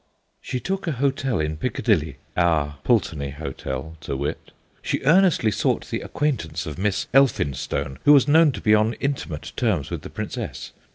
'She took a hotel in Piccadilly,' our Pulteney Hotel, to wit, ' she earnestly sought the acquaintance of Miss Elphinstone, who was known to be on intimate terms with the Princess.